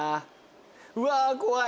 うわ怖い。